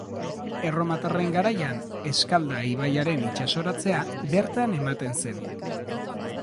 Erromatarren garaian Eskalda ibaiaren itsasoratzea bertan ematen zen.